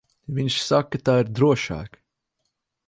Viņš saka, tā ir drošāk.